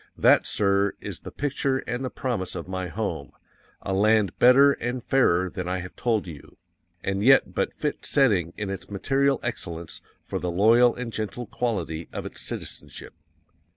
_THAT, SIR, is the picture and the promise of my home A LAND BETTER AND FAIRER THAN I HAVE TOLD YOU, and yet but fit setting in its material excellence for the loyal and gentle quality of its citizenship.